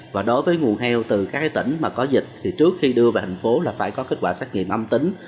và đối với nguồn heo từ các tỉnh mà có dịch thì trước khi đưa về thành phố là phải có kết quả xét nghiệm âm tính